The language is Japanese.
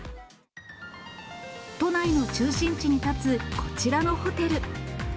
都内の中心地に建つこちらのホテル。